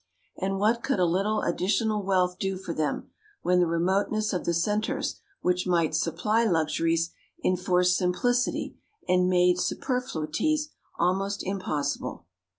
And what could a little additional wealth do for them, when the remoteness of the centres which might supply luxuries, enforced simplicity and made superfluities almost impossible?